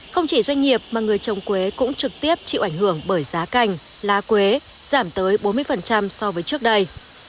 không chỉ doanh nghiệp mà người trồng quế cũng trực tiếp chịu ảnh hưởng bởi giá cành lá quế giảm tới bốn mươi so với trước đây